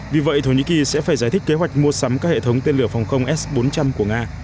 vì vậy thổ nhĩ kỳ sẽ phải giải thích kế hoạch mua sắm các hệ thống tên lửa phòng không s bốn trăm linh của nga